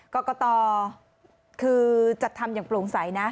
กรกตคือจัดทำอย่างโปร่งใสนะ